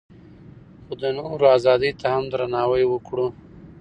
خو د نورو ازادۍ ته هم درناوی وکړو.